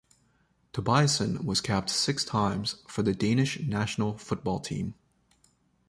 Tobiasen was capped six times for the Danish national football team.